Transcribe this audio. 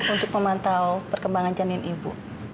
untuk memantau perkembangan janin ibu